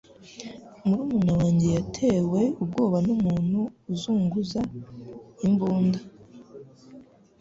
Murumuna wanjye yatewe ubwoba numuntu uzunguza imbunda